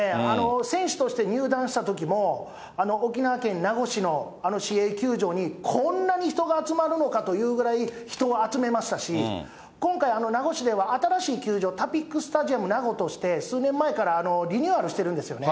選手として入団したときも、沖縄県名護市のあの市営球場に、こんなに人が集まるのかというぐらい人集めましたし、今回、名護市では新しい球場、タピックスタジアム名護として、数年前からリニューアルしてるんですよね。